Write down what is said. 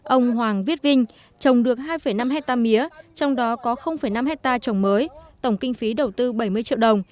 ông hoàng viết vinh trồng được hai năm hectare mía trong đó có năm hectare trồng mới tổng kinh phí đầu tư bảy mươi triệu đồng